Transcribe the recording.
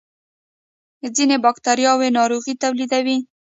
ځینې بکتریاوې ناروغۍ تولیدوي